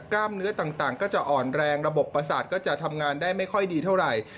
เนื้อต่างก็จะอ่อนแรงระบบประสาทก็จะทำงานได้ไม่ค่อยดีเท่าไหร่